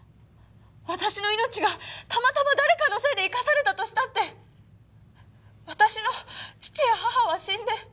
私の命がたまたま誰かのせいで生かされたとしたって私の父や母は死んで。